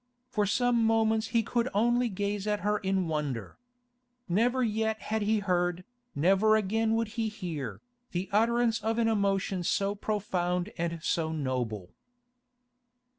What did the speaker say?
For some moments he could only gaze at her in wonder. Never yet had he heard, never again would he hear, the utterance of an emotion so profound and so noble.